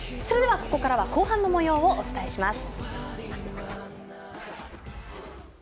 ここからは後半のもようをお伝えします。